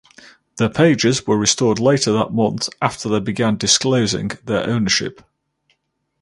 The pages were restored later that month after they began disclosing their ownership.